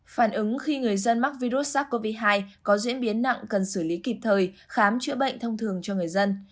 phản ứng khi người dân mắc virus sars cov hai có diễn biến nặng cần xử lý kịp thời khám chữa bệnh thông thường cho người dân